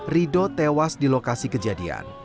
rido tewas di lokasi kejadian